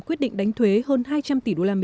quyết định đánh thuế hơn hai trăm linh tỷ usd